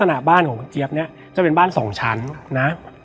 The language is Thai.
และวันนี้แขกรับเชิญที่จะมาเชิญที่เรา